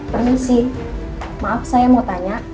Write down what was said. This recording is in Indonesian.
permisi maaf saya mau tanya